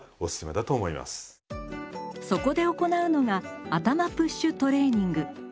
そこで行うのが「頭プッシュトレーニング」。